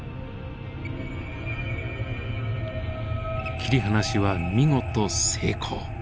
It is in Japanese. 切り離しは見事成功。